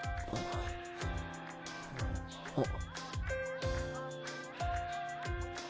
あっ。